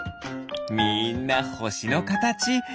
みんなほしのかたち。